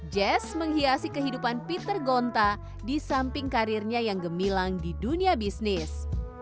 jazz menghiasi kehidupan peter gonta di samping karirnya yang gemilang di dunia bisnis